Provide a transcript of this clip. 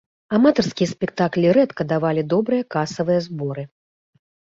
Аматарскія спектаклі рэдка давалі добрыя касавыя зборы.